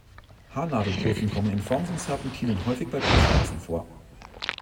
Haarnadelkurven kommen in Form von Serpentinen häufig bei Passstraßen vor.